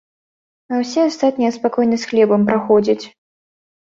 А ўсе астатнія спакойна з хлебам праходзяць.